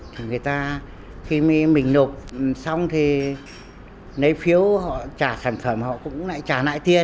thì người ta khi mình nộp xong thì lấy phiếu họ trả sản phẩm họ cũng lại trả lại tiền